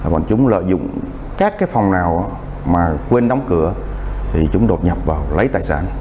bọn chúng lợi dụng các phòng nào quên đóng cửa thì chúng đột nhập vào lấy tài sản